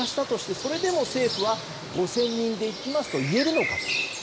それでも政府は５０００人でいきますと言えるのかと。